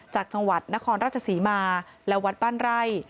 จากจังหวัดนครราชศรีมาและวัดบ้านไร่